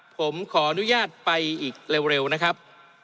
ผมขออนุญาตไปอีกเร็วนะครับ